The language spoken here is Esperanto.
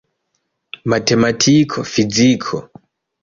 Matematiko, fiziko.